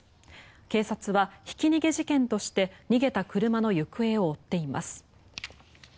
警察はひき逃げ事件として逃げた車の行方を追っています。